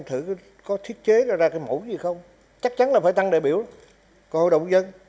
thử có thiết chế ra cái mẫu gì không chắc chắn là phải tăng đại biểu của hội đồng dân